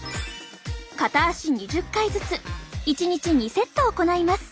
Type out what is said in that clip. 片足２０回ずつ１日２セット行います。